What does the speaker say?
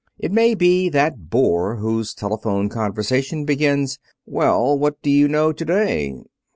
It may be that bore whose telephone conversation begins: "Well, what do you know to day?"